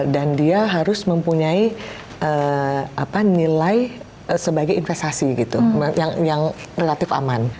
dan dia harus mempunyai nilai sebagai investasi gitu yang relatif aman